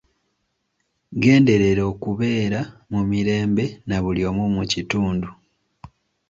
Genderera okubeera mu mirembe na buli omu mu kitundu.